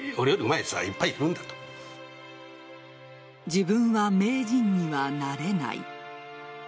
自分は名人にはなれない。